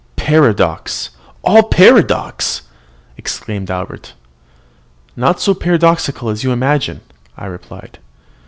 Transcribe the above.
"Paradox, all paradox!" exclaimed Albert. "Not so paradoxical as you imagine," I replied.